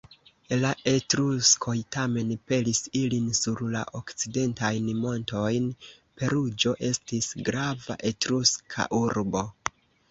La Etruskoj tamen pelis ilin sur la okcidentajn montojn; Peruĝo estis grava etruska urbo.